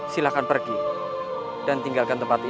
silahkan pergi dan tinggalkan tempat ini